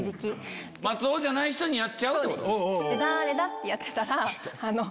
松尾じゃない人にやっちゃうってこと。